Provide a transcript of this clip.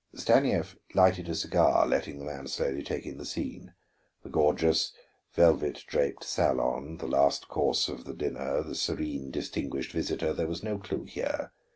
Stanief lighted a cigar, letting the man slowly take in the scene. The gorgeous, velvet draped salon, the last course of the dinner, the serene "distinguished visitor," there was no clue here.